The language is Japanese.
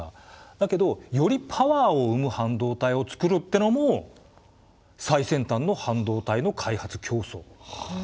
だけどよりパワーをうむ半導体をつくるってのも最先端の半導体の開発競争なんですよね。